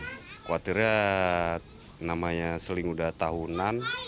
khawatirnya seling udah tahunan